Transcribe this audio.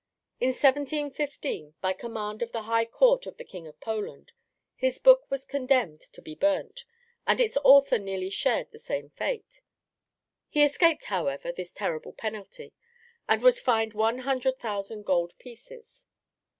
In 1715, by command of the High Court of the King of Poland, his book was condemned to be burnt, and its author nearly shared the same fate. He escaped, however, this terrible penalty, and was fined one hundred thousand gold pieces.